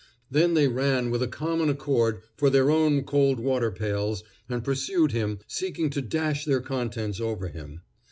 Then they ran with a common accord for their own cold water pails, and pursued him, seeking to dash their contents over him.